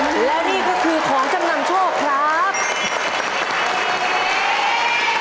และนี่ก็คือของจำนำโชคครับ